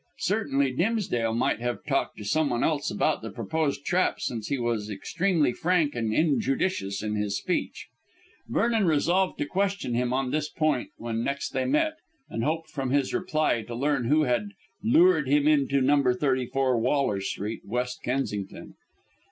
Certainly Dimsdale might have talked to someone else about the proposed trap, since he was extremely frank and injudicious in his speech. Vernon resolved to question him on this point when next they met, and hoped from his reply to learn who had lured him to No. 34, Waller Street, West Kensington.